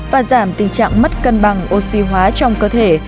và giảm tình trạng mất cân bằng oxy hóa trong cơ thể